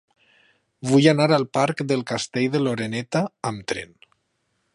Vull anar al parc del Castell de l'Oreneta amb tren.